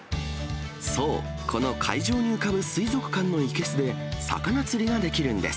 そう、この海上に浮かぶ水族館の生けすで魚釣りができるんです。